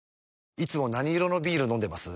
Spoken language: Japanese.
いつも何色のビール飲んでます？